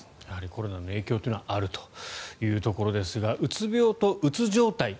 コロナの影響というのはあるというところですがうつ病とうつ状態